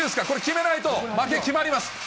これ、決めないと負け決まります。